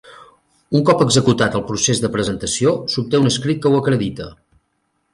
Un cop executat el procés de presentació, s'obté un escrit que ho acredita.